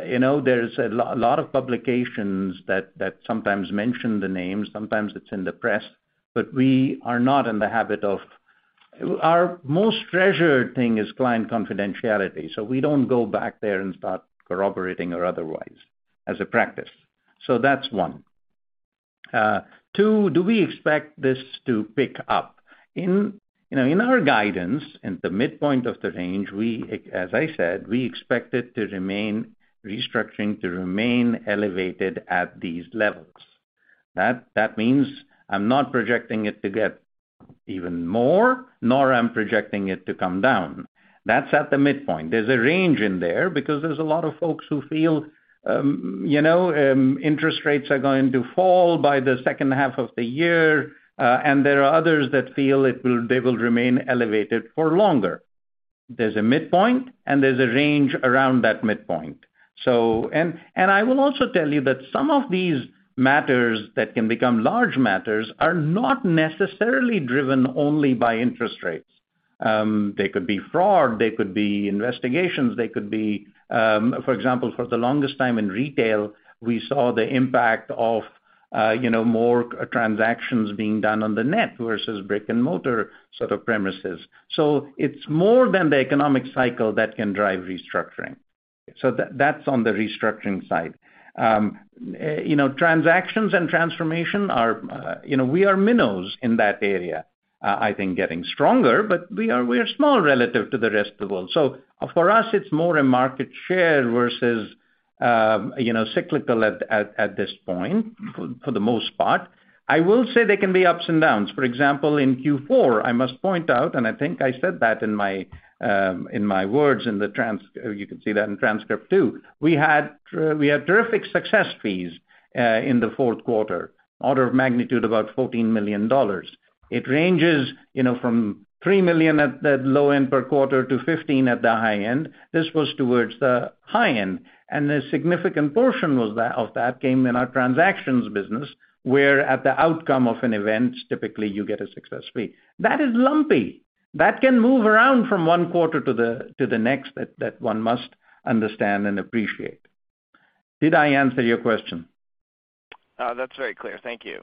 You know, there's a lot of publications that sometimes mention the names, sometimes it's in the press. We are not in the habit of. Our most treasured thing is client confidentiality, so we don't go back there and start corroborating or otherwise as a practice. That's one. Two, do we expect this to pick up? You know, in our guidance, in the midpoint of the range, restructuring to remain elevated at these levels. That means I'm not projecting it to get even more, nor I'm projecting it to come down. That's at the midpoint. There's a range in there because there's a lot of folks who feel, you know, interest rates are going to fall by the second half of the year, and there are others that feel they will remain elevated for longer. There's a midpoint, and there's a range around that midpoint. I will also tell you that some of these matters that can become large matters are not necessarily driven only by interest rates. They could be fraud, they could be investigations, they could be. For example, for the longest time in retail, we saw the impact of, you know, more transactions being done on the net versus brick-and-mortar sort of premises. It's more than the economic cycle that can drive restructuring. That's on the restructuring side. You know, transactions and transformation are, you know, we are minnows in that area. I think getting stronger, but we are small relative to the rest of the world. For us, it's more a market share versus, you know, cyclical at this point for the most part. I will say there can be ups and downs. For example, in Q4, I must point out, I think I said that in my, in my words in the transcript too. We had terrific success fees, in the fourth quarter, order of magnitude about $14 million. It ranges, you know, from $3 million at the low end per quarter to $15 million at the high end. This was towards the high end, and a significant portion of that came in our transactions business, where at the outcome of an event, typically you get a success fee. That is lumpy. That can move around from one quarter to the next that one must understand and appreciate. Did I answer your question? That's very clear. Thank you.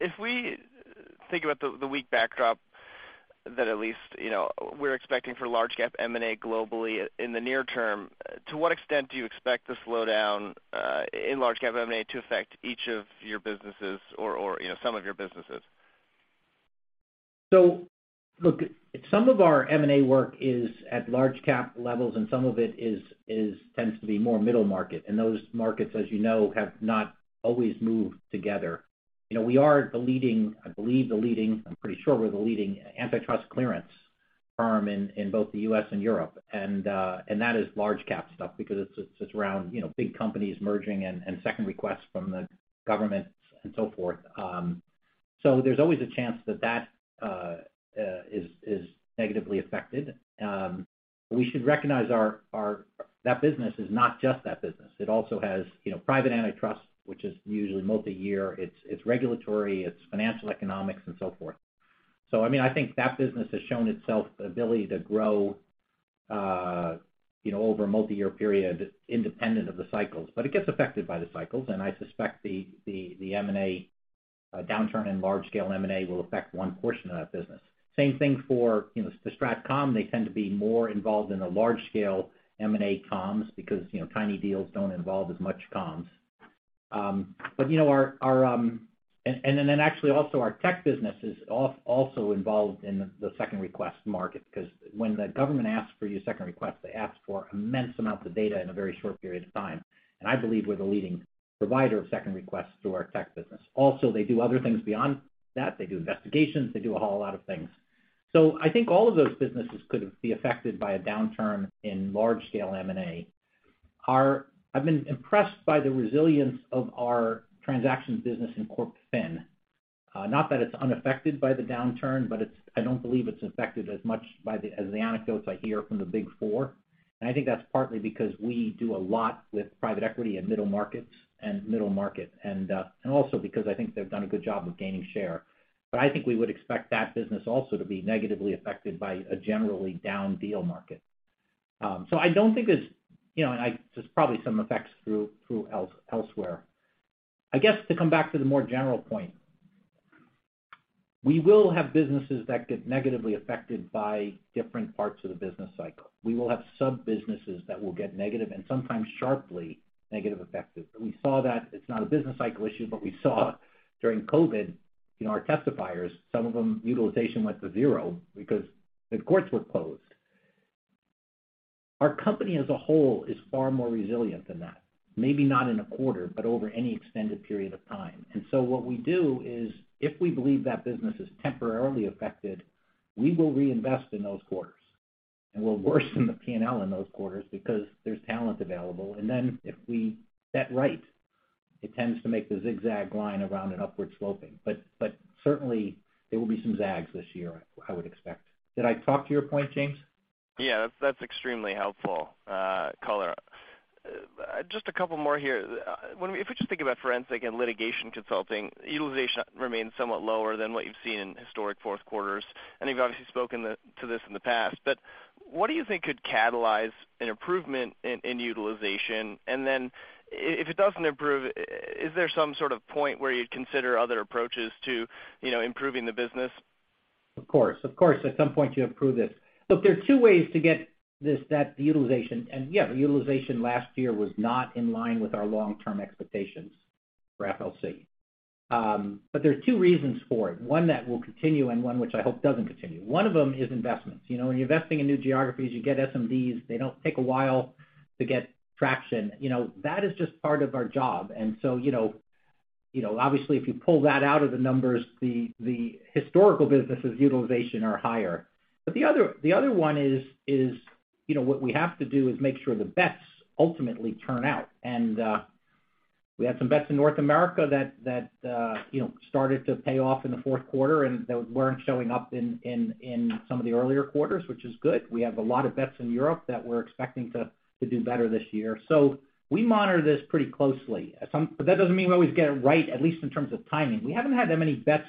If we think about the weak backdrop that at least, you know, we're expecting for large cap M&A globally in the near term, to what extent do you expect the slowdown in large cap M&A to affect each of your businesses or, you know, some of your businesses? Look, some of our M&A work is at large cap levels, and some of it tends to be more middle market. Those markets, as you know, have not always moved together. You know, we are the leading, I believe, I'm pretty sure we're the leading antitrust clearance firm in both the U.S. and Europe. That is large cap stuff because it's around, you know, big companies merging and Second Requests from the government and so forth. There's always a chance that that is negatively affected. We should recognize that business is not just that business. It also has, you know, private antitrust, which is usually multiyear. It's regulatory, it's financial economics, and so forth. I mean, I think that business has shown itself ability to grow, you know, over a multi-year period independent of the cycles. It gets affected by the cycles, and I suspect the M&A downturn in large scale M&A will affect one portion of that business. Same thing for, you know, the Strat Comm. They tend to be more involved in the large scale M&A comms because, you know, tiny deals don't involve as much comms. You know, our, actually also our tech business is also involved in the Second Request market, 'cause when the government asks for your Second Request, they ask for immense amounts of data in a very short period of time. I believe we're the leading provider of Second Requests through our Tech business. Also, they do other things beyond that. They do investigations. They do a whole lot of things. I think all of those businesses could be affected by a downturn in large scale M&A. I've been impressed by the resilience of our transactions business in Corp Fin. Not that it's unaffected by the downturn, but I don't believe it's affected as much as the anecdotes I hear from the Big Four. I think that's partly because we do a lot with private equity and middle market, and also because I think they've done a good job of gaining share. I think we would expect that business also to be negatively affected by a generally down deal market. I don't think it's, you know, there's probably some effects through elsewhere. I guess to come back to the more general point, we will have businesses that get negatively affected by different parts of the business cycle. We will have sub-businesses that will get negative and sometimes sharply negative affected. We saw that it's not a business cycle issue, but we saw during COVID, you know, our testifiers, some of them, utilization went to zero because the courts were closed. Our company as a whole is far more resilient than that. Maybe not in a quarter, but over any extended period of time. What we do is if we believe that business is temporarily affected, we will reinvest in those quarters, and we'll worsen the P&L in those quarters because there's talent available. If we bet right, it tends to make the zigzag line around and upward sloping. But certainly there will be some zags this year, I would expect. Did I talk to your point, James? Yeah. That's extremely helpful color. Just a couple more here. If we just think about forensic and litigation consulting, utilization remains somewhat lower than what you've seen in historic fourth quarters. You've obviously spoken to this in the past, but what do you think could catalyze an improvement in utilization? Then if it doesn't improve, is there some sort of point where you'd consider other approaches to, you know, improving the business? Of course. At some point, you improve that utilization. Look, there are two ways to get that utilization. Yeah, the utilization last year was not in line with our long-term expectations for FLC. There are two reasons for it, one that will continue and one which I hope doesn't continue. One of them is investments. You know, when you're investing in new geographies, you get SMDs. They don't take a while to get traction. You know, that is just part of our job. You know, obviously, if you pull that out of the numbers, the historical business' utilization are higher. The other one is, you know, what we have to do is make sure the bets ultimately turn out. We had some bets in North America that, you know, started to pay off in the fourth quarter, and they weren't showing up in some of the earlier quarters, which is good. We have a lot of bets in Europe that we're expecting to do better this year. We monitor this pretty closely. That doesn't mean we always get it right, at least in terms of timing. We haven't had that many bets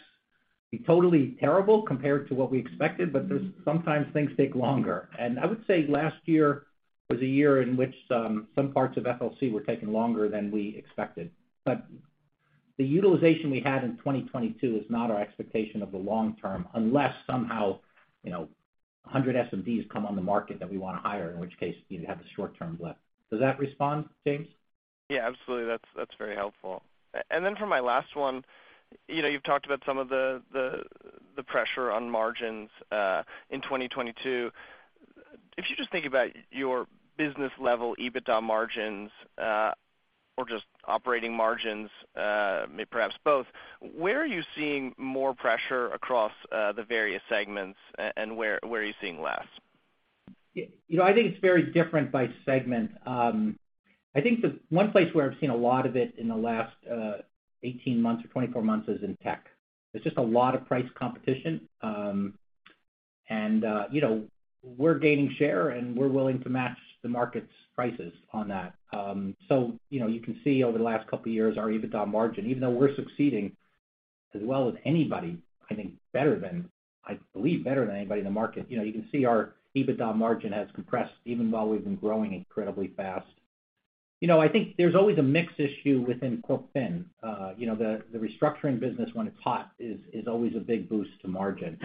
be totally terrible compared to what we expected, but there's sometimes things take longer. I would say last year was a year in which some parts of FLC were taking longer than we expected. The utilization we had in 2022 is not our expectation of the long term unless somehow, you know, 100 SMDs come on the market that we wanna hire, in which case you have a short-term blip. Does that respond, James? Yeah, absolutely. That's very helpful. For my last one, you know, you've talked about some of the pressure on margins in 2022. If you just think about your business level EBITDA margins, or just operating margins, perhaps both, where are you seeing more pressure across the various segments, and where are you seeing less? You know, I think it's very different by segment. I think the one place where I've seen a lot of it in the last 18 months or 24 months is in tech. There's just a lot of price competition. You know, we're gaining share, and we're willing to match the market's prices on that. You know, you can see over the last couple of years, our EBITDA margin, even though we're succeeding as well as anybody, I think better than, I believe, better than anybody in the market. You know, you can see our EBITDA margin has compressed even while we've been growing incredibly fast. You know, I think there's always a mix issue within Corp Fin. You know, the restructuring business when it's hot is always a big boost to margin.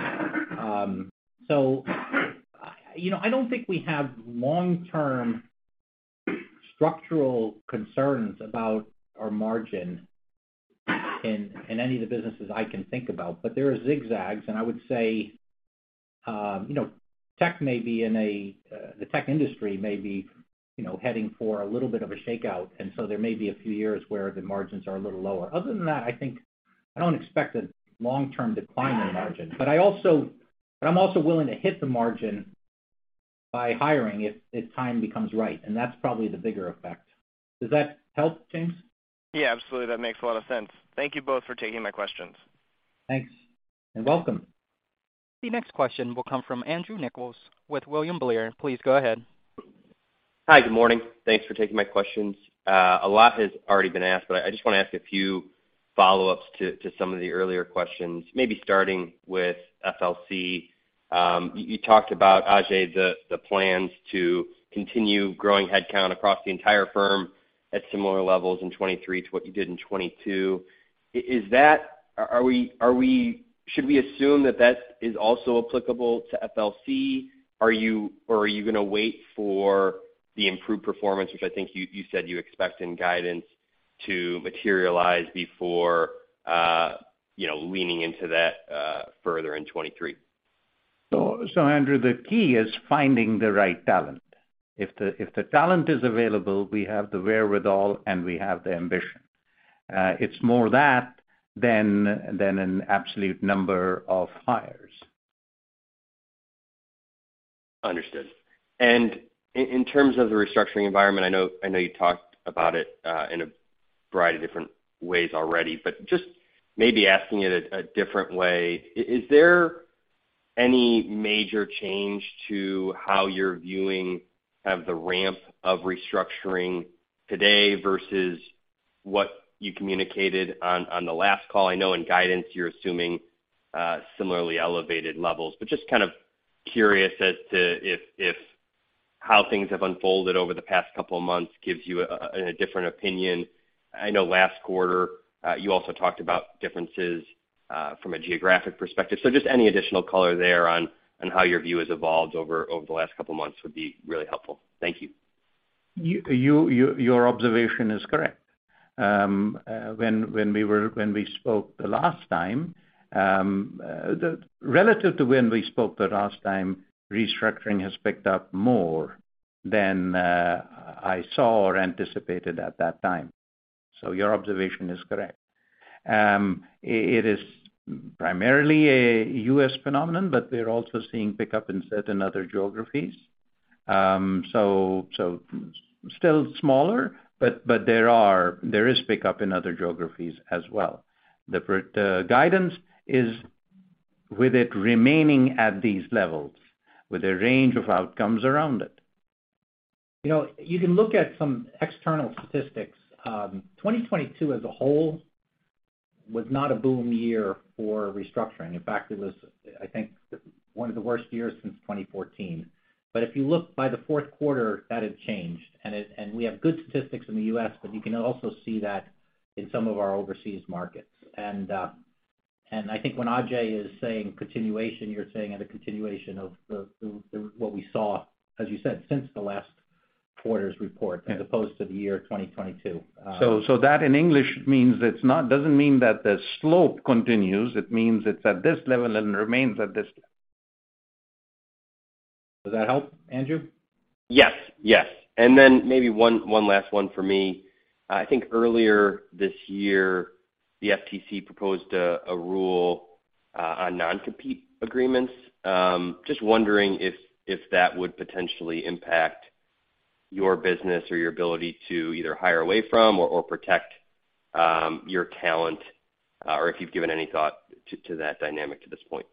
You know, I don't think we have long-term structural concerns about our margin in any of the businesses I can think about. There are zigzags, and I would say, you know, the tech industry may be, you know, heading for a little bit of a shakeout, there may be a few years where the margins are a little lower. Other than that, I think I don't expect a long-term decline in margin. I'm also willing to hit the margin by hiring if time becomes right, and that's probably the bigger effect. Does that help, James? Absolutely. That makes a lot of sense. Thank you both for taking my questions. Thanks. You're welcome. The next question will come from Andrew Nicholas with William Blair. Please go ahead. Hi. Good morning. Thanks for taking my questions. A lot has already been asked, but I just wanna ask a few follow-ups to some of the earlier questions, maybe starting with FLC. You talked about, Ajay, the plans to continue growing headcount across the entire firm at similar levels in 2023 to what you did in 2022. Should we assume that that is also applicable to FLC? Or are you gonna wait for the improved performance, which I think you said you expect in guidance to materialize before, you know, leaning into that further in 2023? Andrew, the key is finding the right talent. If the talent is available, we have the wherewithal and we have the ambition. It's more that than an absolute number of hires. Understood. In terms of the restructuring environment, I know you talked about it in a variety of different ways already, but just maybe asking it a different way, is there any major change to how you're viewing kind of the ramp of restructuring today versus what you communicated on the last call? I know in guidance you're assuming similarly elevated levels. Just kind of curious as to if how things have unfolded over the past couple of months gives you a different opinion. I know last quarter, you also talked about differences from a geographic perspective. Just any additional color there on how your view has evolved over the last couple of months would be really helpful. Thank you. Your observation is correct. When we spoke the last time-- relative to when we spoke the last time, restructuring has picked up more than I saw or anticipated at that time. Your observation is correct. It is primarily a U.S. phenomenon, but we're also seeing pickup in certain other geographies. Still smaller, but there is pickup in other geographies as well. The guidance is with it remaining at these levels with a range of outcomes around it. You know, you can look at some external statistics. 2022 as a whole was not a boom year for restructuring. In fact, it was, I think, one of the worst years since 2014. If you look by the fourth quarter, that had changed, and we have good statistics in the U.S., but you can also see that in some of our overseas markets. I think when Ajay is saying continuation, you're saying at a continuation of the what we saw, as you said, since the last quarter's report as opposed to the year 2022. That in English means doesn't mean that the slope continues. It means it's at this level and remains at this level. Does that help, Andrew? Yes. Yes. Then maybe one last one for me. I think earlier this year, the FTC proposed a rule on non-compete agreements. Just wondering if that would potentially impact your business or your ability to either hire away from or protect your talent, or if you've given any thought to that dynamic to this point.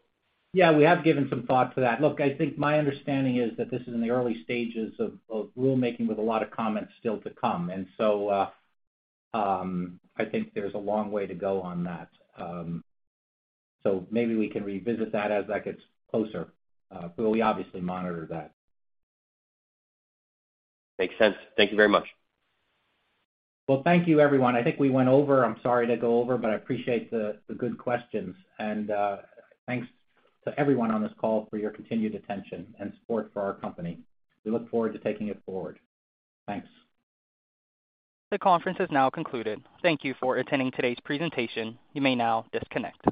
Yeah, we have given some thought to that. Look, I think my understanding is that this is in the early stages of rulemaking with a lot of comments still to come. I think there's a long way to go on that. Maybe we can revisit that as that gets closer, but we obviously monitor that. Makes sense. Thank you very much. Well, thank you, everyone. I think we went over. I'm sorry to go over, but I appreciate the good questions. Thanks to everyone on this call for your continued attention and support for our company. We look forward to taking it forward. Thanks. The conference has now concluded. Thank you for attending today's presentation. You may now disconnect.